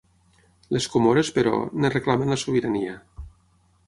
Les Comores, però, en reclamen la sobirania.